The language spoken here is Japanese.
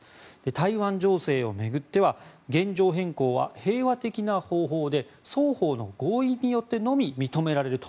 台湾情勢を巡っては現状変更は平和的な方法で双方の合意によってのみ認められると。